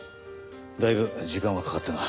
だいぶ時間はかかったが。